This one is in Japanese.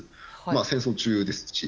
戦争中ですし。